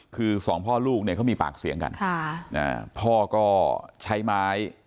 คือสองพ่อลูกเนี่ยเขามีปากเสียงกันค่ะอ่าพ่อก็ใช้ไม้